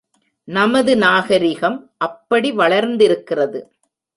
நமது நாகரிகம் அப்படி வளர்ந்திருக்கிறது.